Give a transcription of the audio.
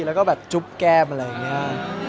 แล้วก็แบบจุ๊บแก้มอะไรอย่างนี้